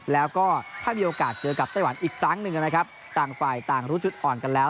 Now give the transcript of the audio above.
แล้วก็ถ้ามีโอกาสเจอกับไต้หวันอีกครั้งหนึ่งนะครับต่างฝ่ายต่างรู้จุดอ่อนกันแล้ว